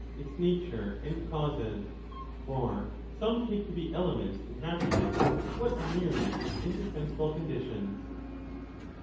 2 1214^ its nature and causes ; for some take to be elements in happiness what are merely its indispensable conditions.